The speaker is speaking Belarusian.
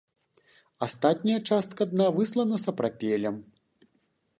Астатняя частка дна выслана сапрапелем.